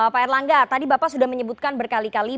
pak erlangga tadi bapak sudah menyebutkan berkali kali